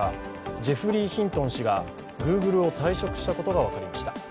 ジェフリー・ヒントン氏がグーグルを退職したことが分かりました。